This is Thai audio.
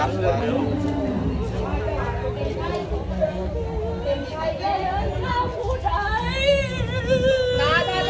เมื่อเมื่อเมื่อเมื่อเมื่อ